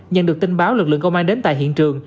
nhận được tin báo lực lượng công an đến tại hiện trường